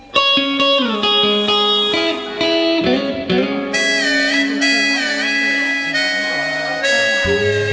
สุดท้ายมากสุดท้ายมาก